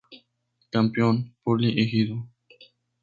Campeón: Poli Ejido.